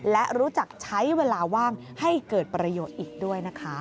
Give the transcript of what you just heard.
และรู้จักใช้เวลาว่างให้เกิดประโยชน์อีกด้วยนะคะ